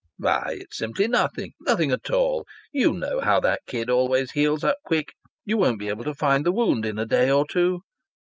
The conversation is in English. "Why, it's simply nothing. Nothing at all. You know how that kid always heals up quick. You won't be able to find the wound in a day or two."